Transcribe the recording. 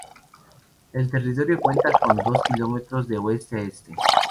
El territorio cuenta con dos kilómetros de oeste a este.